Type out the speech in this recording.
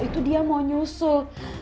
itu dia mau nyusul